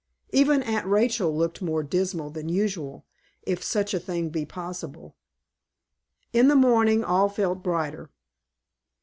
Even Aunt Rachel looked more dismal than usual, if such a thing be possible. In the morning all felt brighter.